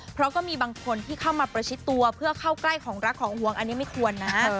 เพราะก็มีบางคนที่เข้ามาประชิดตัวเพื่อเข้าใกล้ของรักของห่วงอันนี้ไม่ควรนะ